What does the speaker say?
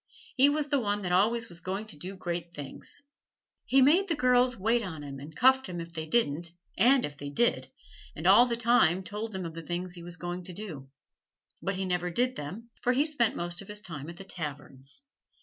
He was the one that always was going to do great things. He made the girls wait on him and cuffed them if they didn't, and if they did, and all the time told of the things he was going to do. But he never did them, for he spent most of his time at the taverns.